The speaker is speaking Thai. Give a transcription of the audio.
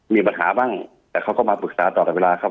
มีปัญหาบ้างแต่เขาก็มาปรึกษาต่อกับเวลาครับ